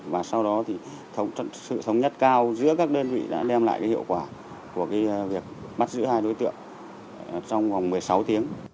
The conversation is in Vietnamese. và sau đó thì sự thống nhất cao giữa các đơn vị đã đem lại hiệu quả của việc bắt giữ hai đối tượng trong vòng một mươi sáu tiếng